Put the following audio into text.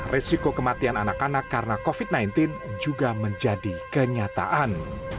resiko kematian anak anak karena covid sembilan belas juga menjadi kenyataan